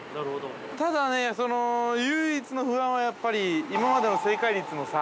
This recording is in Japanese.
ただね、唯一の不安はやっぱり今までの正解率の差。